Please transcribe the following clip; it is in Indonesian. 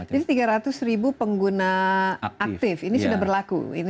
jadi tiga ratus ribu pengguna aktif ini sudah berlaku